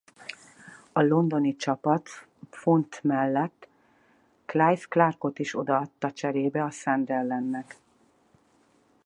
A londoni csapat font mellett Clive Clarke-ot is odaadta cserébe a Sunderlandnek.